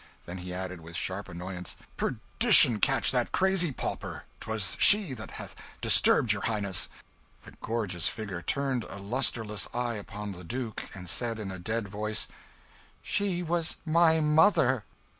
Then he added with sharp annoyance, "Perdition catch that crazy pauper! 'twas she that hath disturbed your Highness." The gorgeous figure turned a lustreless eye upon the Duke, and said in a dead voice "She was my mother!"